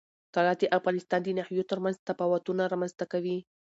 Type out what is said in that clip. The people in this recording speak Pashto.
طلا د افغانستان د ناحیو ترمنځ تفاوتونه رامنځ ته کوي.